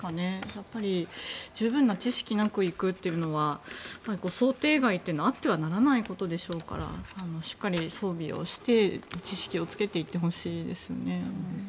やはり十分な知識なく行くというのは想定外というのは、あってはならないことでしょうからしっかり装備をして知識をつけて行ってほしいですよね。